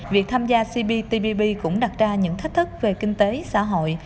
việc tham gia cptpp cũng đặt ra những thách thức về kinh tế xã hội